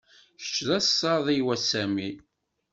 Kečč d asaḍ-iw, a Sami.